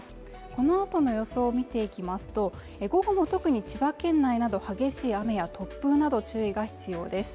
このあとの予想見ていきますと午後の特に千葉県内など激しい雨や突風など注意が必要です